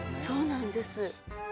そうなんです。